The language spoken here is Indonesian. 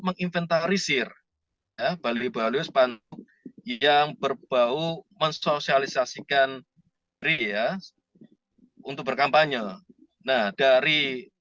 menginventarisir baliho baliho yang berbau mensosialisasikan ria untuk berkampanye nah dari